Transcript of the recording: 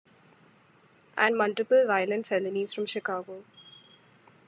And multiple violent felonies from Chicago.